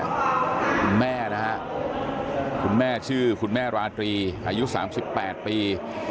คุณแม่นะฮะคุณแม่ชื่อคุณแม่ราตรีอายุ๓๘ปี